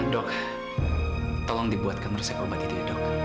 dok tolong dibuatkan resep obat itu ya dok